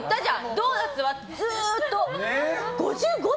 ドーナツは？ってずっと。